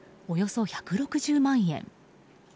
およそ１６０万円。